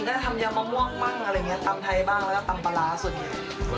จะทำยามะม่วงบ้างอะไรอย่างนี้ตำไทยบ้างแล้วก็ตำปลาร้าส่วนใหญ่